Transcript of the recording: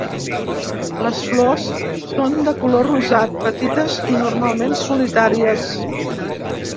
Les flors són de color rosat, petites i normalment solitàries.